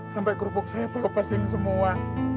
sampai kerupuk saya bau pesing semua